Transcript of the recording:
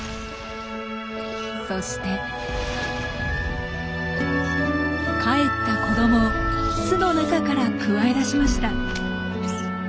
そして孵った子どもを巣の中からくわえ出しました。